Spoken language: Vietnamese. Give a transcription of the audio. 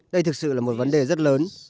đây thực sự là một vấn đề rất lớn